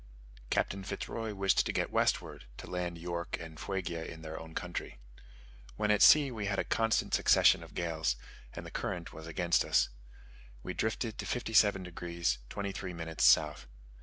Captain Fitz Roy wished to get westward to land York and Fuegia in their own country. When at sea we had a constant succession of gales, and the current was against us: we drifted to 57 degs. 23' south.